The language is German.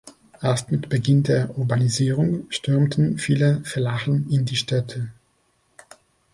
Erst mit Beginn der Urbanisierung strömten viele Fellachen in die Städte.